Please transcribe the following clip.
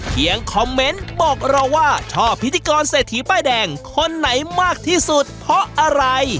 คอมเมนต์บอกเราว่าชอบพิธีกรเศรษฐีป้ายแดงคนไหนมากที่สุดเพราะอะไร